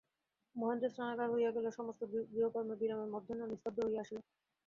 মহেন্দ্রের স্নানাহার হইয়া গেল–সমস্ত গৃহকর্মের বিরামে মধ্যাহ্ন নিস্তব্ধ হইয়া আসিল।